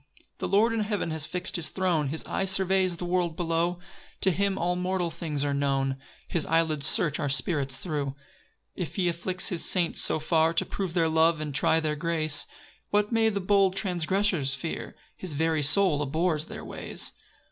3 The Lord in heaven has fix'd his throne, His eye surveys the world below; To him all mortal things are known, His eyelids search our spirits thro'. 4 If he afflicts his saints so far To prove their love, and try their grace, What may the bold transgressors fear? His very soul abhors their ways.